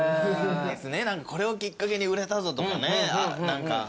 これをきっかけに売れたぞとかね。